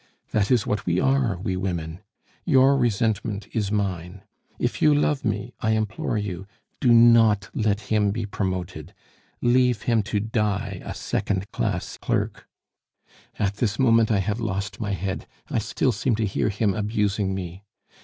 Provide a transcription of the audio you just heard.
That is what we are, we women. Your resentment is mine. If you love me, I implore you, do not let him be promoted; leave him to die a second class clerk. "At this moment I have lost my head; I still seem to hear him abusing me.